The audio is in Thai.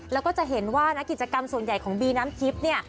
แล้วก็จะเห็นว่านักกิจกรรมส่วนใหญ่ของบีน้ำทิพย์เนี่ย